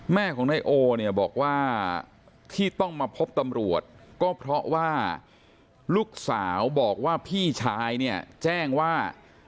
แม่ของนายโอเนี่ยบอกว่าที่ต้องมาพบตำรวจก็เพราะว่าลูกสาวบอกว่าพี่ชายเนี่ยแจ้งว่า